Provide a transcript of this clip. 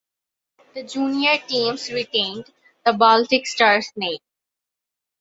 The junior teams retained the Baltic Stars name.